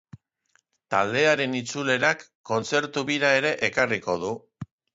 Taldearen itzulerak kontzertu-bira ere ekarriko du.